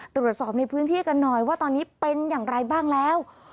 ตรวจสอบในพื้นที่กันหน่อยว่าตอนนี้เป็นอย่างไรบ้างแล้ว